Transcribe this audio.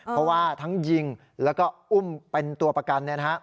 เพราะว่าทั้งยิงแล้วก็อุ้มเป็นตัวประกัน